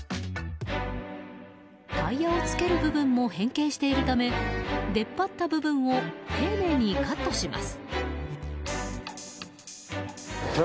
タイヤを付ける部分も変形しているため出っ張っている部分を丁寧にカットします。